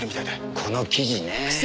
この記事ね。